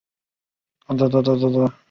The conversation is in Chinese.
一线四星。